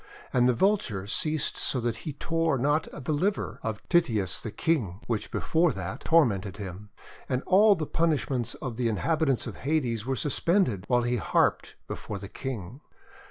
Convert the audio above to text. And the Vulture ceased so that he tore not the liver of Tityus the King, which before that tormented him. And all the punishments of the inhabitants of Hades were suspended while he harped before the King.